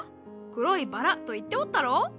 「黒いバラ」と言っておったろう？